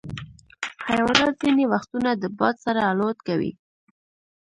حیوانات ځینې وختونه د باد سره الوت کوي.